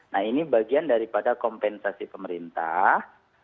nah ini bagian daripada kompensasi pemerintah